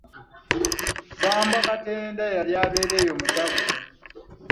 Ssambwa Katenda eyali abeera eyo mu Kyaggwe.